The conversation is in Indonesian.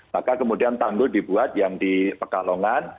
maka kemudian tanggul dibuat yang di pekalongan